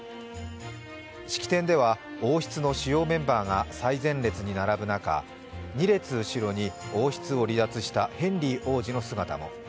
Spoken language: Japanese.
式典では王室の主要メンバーが最前列に並ぶ中、２列後ろに王室を離脱したヘンリー王子の姿も。